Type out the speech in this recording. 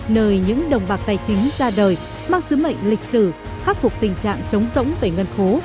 nơi những đồng bạc tài chính ra đời mang sứ mệnh lịch sử khắc phục tình trạng chống rỗng về ngân khố